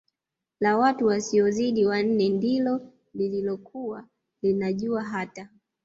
la watu wasiozidi wanne ndilo lililokuwa linajua hata